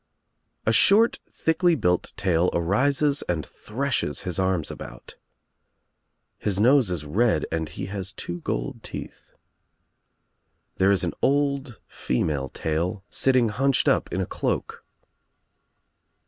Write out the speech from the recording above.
A thorl thi(klybuill tale arises and threshes his arms about. Hit nose is red and he has two gold teeth. There is an old female tale silling hunched up in a cloak.